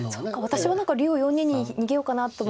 私は何か竜を４二に逃げようかなと思ったんで。